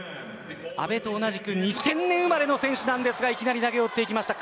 阿部と同じく２０００年生まれの選手ですがいきなり投げを打っていきました。